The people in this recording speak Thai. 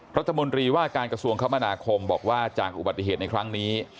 รัฐมนตรีว่าการกระทรวงคมนาคมบอกว่าจากอุบัติเหตุในครั้งนี้